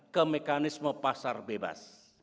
ke mekanisme pasar bebas